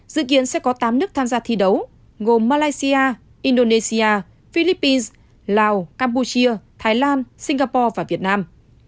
dự kiến sẽ có tám nước tham gia thi đấu gồm malaysia indonesia philippines lào campuchia thái lan singapore và việt nam